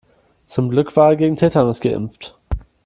Zum Glück war er gegen Tetanus geimpft.